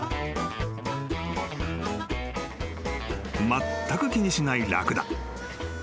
［まったく気にしないラクダ］